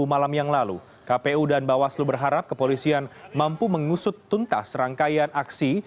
dua puluh malam yang lalu kpu dan bawaslu berharap kepolisian mampu mengusut tuntas rangkaian aksi